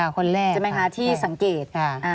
คนนี้คือคนแรกที่สังเกต